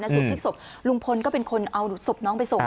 ชนะสุพริกศพลุงพลก็เป็นคนเอาสุพริกน้องไปส่ง